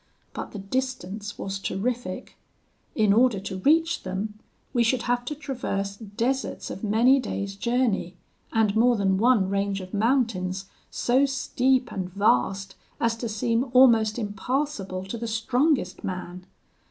But the distance was terrific. In order to reach them, we should have to traverse deserts of many days' journey, and more than one range of mountains so steep and vast as to seem almost impassable to the strongest man.